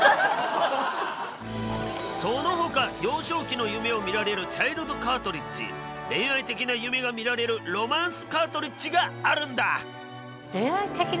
その他幼少期の夢を見られるチャイルドカートリッジ恋愛的な夢が見られるロマンスカートリッジがあるんだ。